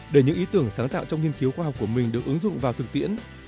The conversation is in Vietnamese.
để những ý tưởng sáng tạo trong nghiên cứu khoa học của mình được ứng dụng vào thực tiễn